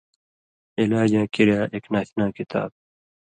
علاجاں کریا ایک ناشنا کتاب